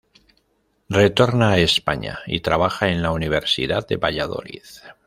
Retorna a España y trabaja en la Universidad de Valladolid.